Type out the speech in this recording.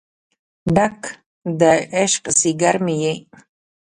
ډک د عشق ځیګر مې یې